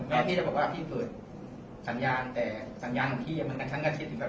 พี่จะบอกว่าพี่เปิดสัญญาณแต่สัญญาณของพี่มันกระชั้นกระซิบอยู่แบบ